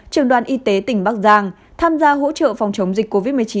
trường đoàn y tế tỉnh bắc giang tham gia hỗ trợ phòng chống dịch covid một mươi chín